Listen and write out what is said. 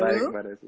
baik mbak desi